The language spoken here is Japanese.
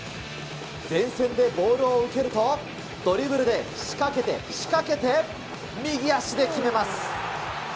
前線でボールを受けると、ドリブルで仕掛けて、仕掛けて、右足で決めます。